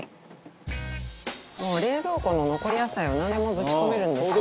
もう冷蔵庫の残り野菜をなんでもぶち込めるんですよ